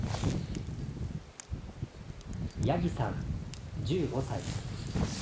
やぎさん１５歳。